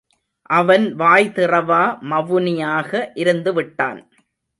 அவன் வாய் திறவா மவுனியாக இருந்துவிட்டான்.